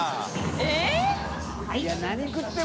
えっ！